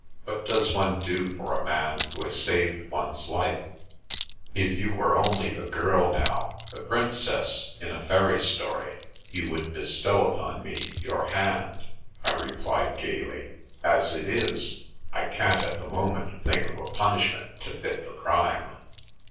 " What does one do for a man who has saved one's life ?"" If you were only a girl, now — ^a Princess in a fairy story — ^you would bestow upon me your hand," There is No Such Girl 265 I replied gaily. " As it is — ^I can't at the moment think of a punishment to fit the crime.''